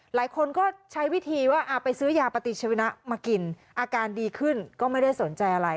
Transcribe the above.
หลายคนก็ใช้วิธีว่าไปซื้อยาปฏิชวินะมากินอาการดีขึ้นก็ไม่ได้สนใจอะไร